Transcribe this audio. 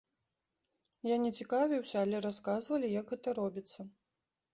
Я не цікавіўся, але расказвалі, як гэта робіцца.